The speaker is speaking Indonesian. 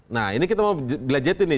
nah ini kita mau belajetin nih